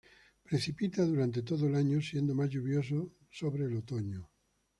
Precipita durante todo el año siendo más lluvioso hacia el otoño.